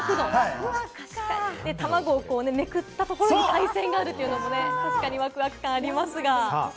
たまごをめくったところに海鮮があるというのもね、確かに、わくわく感ありますが。